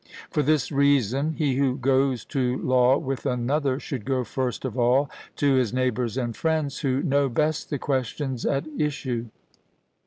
For this reason, he who goes to law with another, should go first of all to his neighbours and friends who know best the questions at issue.